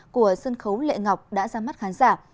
của sân khấu lệ ngọc đã ra mắt khán giả